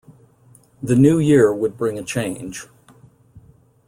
The new year would bring a change.